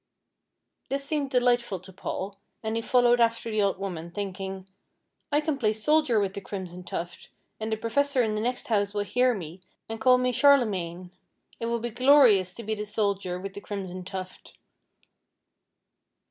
This seemed delightful to Paul, and he followed after the old woman, thinking "I can play soldier with the crimson tuft, and the professor in the next house will hear me, and call me Charlemagne. It will be glorious to be the soldier with the crimson tuft."